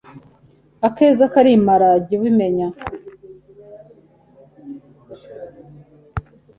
akeza karimara jya ubimenya